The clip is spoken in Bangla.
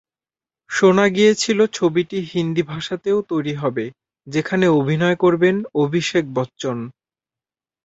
শোনা গিয়েছিল ছবিটি হিন্দি ভাষাতেও তৈরি হবে, যেখানে অভিনয় করবেন অভিষেক বচ্চন।